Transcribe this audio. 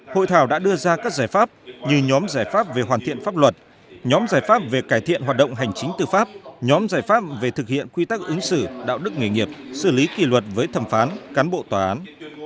hội thảo đã đưa ra các giải pháp như nhóm giải pháp về hoàn thiện pháp luật nhóm giải pháp về cải thiện hoạt động hành chính tư pháp nhóm giải pháp về thực hiện quy tắc ứng xử đạo đức nghề nghiệp xử lý kỷ luật với thẩm phán cán bộ tòa án